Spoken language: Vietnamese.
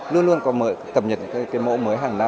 luôn luôn có cập nhật những cái mẫu mới hàng năm